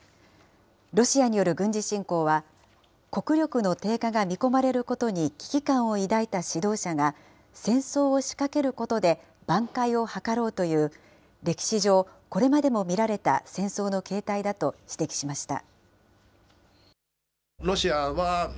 ロシアによる軍事侵攻は、国力の低下が見込まれることに危機感を抱いた指導者が、戦争を仕掛けることで挽回を図ろうという、歴史上、これまでも見られた戦争の形態だと指摘しました。